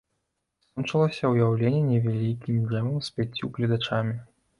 Скончылася ўяўленне невялікім джэмам з пяццю гледачамі.